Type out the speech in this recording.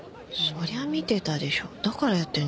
そりゃ見てたでしょだからやってんじゃない？